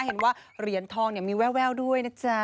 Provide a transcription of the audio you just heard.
เห็นว่าเหรียญทองมีแววด้วยนะจ๊ะ